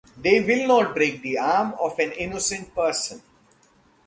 They will not break the arm of an innocent person.